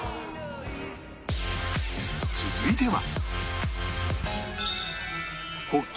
続いては